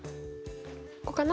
ここかな。